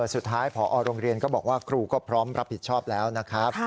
สุดท้ายพอโรงเรียนก็บอกว่าครูก็พร้อมรับผิดชอบแล้วนะครับ